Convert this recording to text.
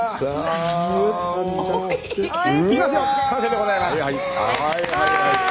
完成でございます。